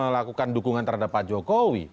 melakukan dukungan terhadap pak jokowi